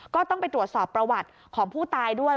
ก็ต้องไปตรวจสอบประวัติของผู้ตายด้วย